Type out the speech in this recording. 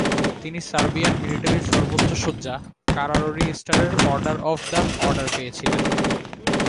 তিনি সার্বিয়ান মিলিটারির সর্বোচ্চ সজ্জা কারাররি স্টারের অর্ডার অফ দ্য অর্ডারপেয়েছিলেন।